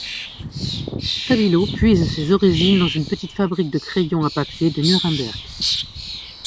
Stabilo puise ses origines dans une petite fabrique de crayons à papier de Nuremberg.